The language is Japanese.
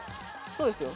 そうですよ。